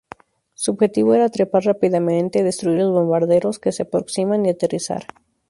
Su objetivo era trepar rápidamente, destruir los bombarderos que se aproximan, y aterrizar.